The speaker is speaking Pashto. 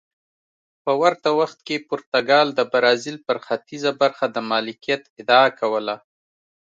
په ورته وخت کې پرتګال د برازیل پر ختیځه برخه د مالکیت ادعا کوله.